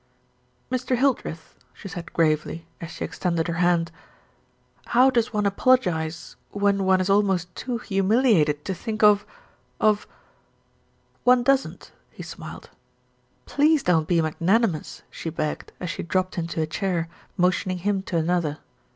"Mr. Hildreth," she said gravely, as she extended her hand, "how does one apologise when one is almost too humiliated to think of of " "One doesn't," he smiled. "Please don't be magnanimous," she begged, as she dropped into a chair, motioning him to another.